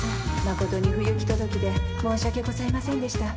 誠に不行き届きで申し訳ございませんでした。